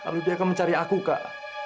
tidak tidak dia akan mencari aku kak